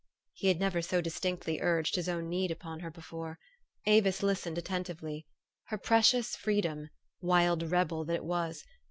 He had never so distinctly urged his own need upon her before. Avis listened attentively. Her precious freedom wild rebel that it was